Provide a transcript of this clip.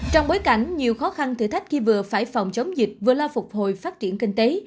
trong bối cảnh nhiều khó khăn thử thách khi vừa phải phòng chống dịch vừa la phục hồi phát triển kinh tế